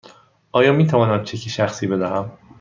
آیا می توانم چک شخصی بدهم؟